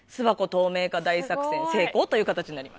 透明化大作戦成功！という形になります。